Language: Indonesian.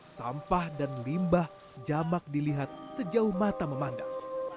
sampah dan limbah jamak dilihat sejauh mata memandang